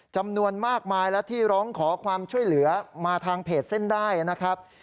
จำนวนมากมายและที่ร้องขอความช่วยเหลือมาทางเพจเส้นได้นะครับ